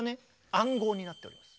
暗号になっております。